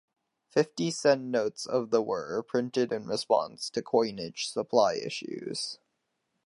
Fifty sen notes of the were printed in response to coinage supply issues.